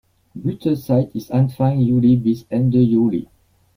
Blütezeit ist Anfang Juli bis Ende Juli.